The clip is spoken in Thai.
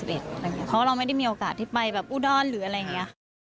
เพราะว่าเราไม่ได้มีโอกาสที่ไปแบบอุดรหรืออะไรอย่างนี้